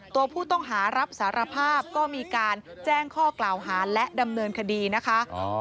ตัวผู้ต้องหารับสารภาพก็มีการแจ้งข้อกล่าวหาและดำเนินคดีนะคะ